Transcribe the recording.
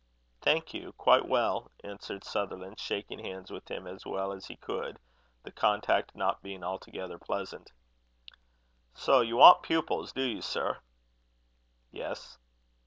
"Thank you quite well;" answered Sutherland, shaking hands with him as well as he could, the contact not being altogether pleasant. "So you want pupils, do you, sir?" "Yes."